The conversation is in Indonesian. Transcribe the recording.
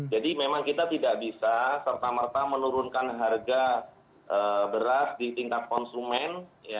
jadi memang kita tidak bisa serta merta menurunkan harga berat di tingkat konsumen